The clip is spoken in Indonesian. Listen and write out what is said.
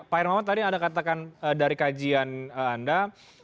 pak hermawan tadi anda katakan dari kajian anda